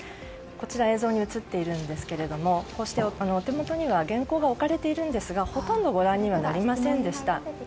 こちら、映像に映っているんですけれどもお手元には原稿が置かれているんですがほとんどご覧にはなりませんでした。